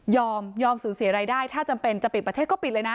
ยอมยอมสูญเสียรายได้ถ้าจำเป็นจะปิดประเทศก็ปิดเลยนะ